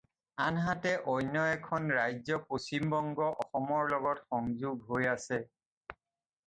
আনহাতে অন্য এখন ৰাজ্য পশ্চিমবংগ অসমৰ লগত সংযোগ হৈ আছে।